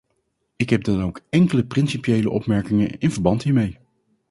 Ik heb dan ook enkele principiële opmerkingen in verband hiermee.